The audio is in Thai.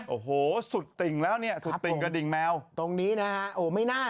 โอ้โหสุดติ่งแล้วเนี่ยสุดติ่งกระดิ่งแมวตรงนี้นะฮะโอ้ไม่น่า